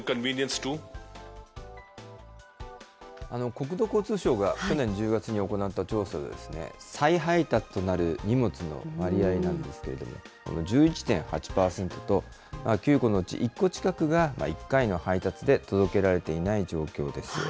国土交通省が去年１０月に行った調査で、再配達となる荷物の割合なんですけれども、１１．８％と、９個のうち１個近くが１回の配達で届けられていない状況です。